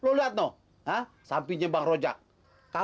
lo doyan duitnya apa deh